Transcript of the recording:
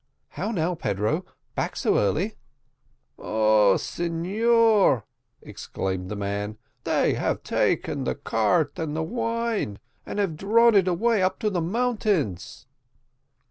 "How now, Pedro, back so early!" "O signor!" exclaimed the man "they have taken the cart and the wine, and have drawn it away up to the mountains."